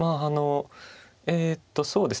えっとそうですね